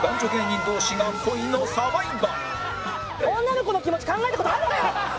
女の子の気持ち考えた事あるのかよ！